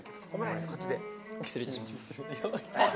こっちで失礼いたします